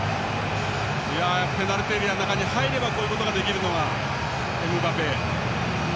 ペナルティーエリアの中に入ればこういうことができるのがエムバペ。